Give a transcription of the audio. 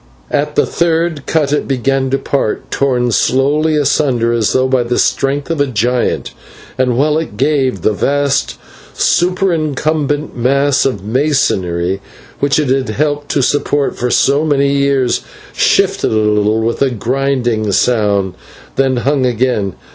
At the third cut it began to part, torn slowly asunder as though by the strength of a giant, and while it gave, the vast superincumbent mass of masonry, which it had helped to support for so many years, shifted a little with a grinding sound, then hung again.